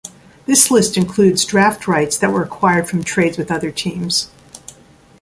This list includes draft rights that were acquired from trades with other teams.